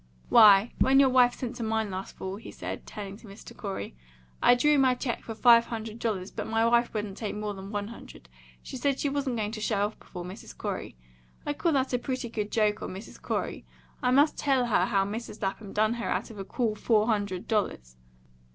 "Why, when your wife sent to mine last fall," he said, turning to Mr. Corey, "I drew my cheque for five hundred dollars, but my wife wouldn't take more than one hundred; said she wasn't going to show off before Mrs. Corey. I call that a pretty good joke on Mrs. Corey. I must tell her how Mrs. Lapham done her out of a cool four hundred dollars."